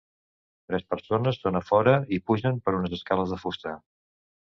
Tres persones són a fora i pugen per unes escales de fusta.